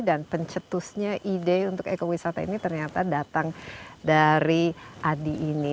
dan pencetusnya ide untuk ekowisata ini ternyata datang dari adi ini